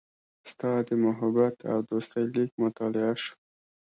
ستا د محبت او دوستۍ لیک مطالعه شو.